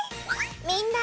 みんな。